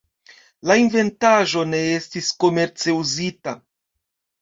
La inventaĵo ne estis komerce uzita.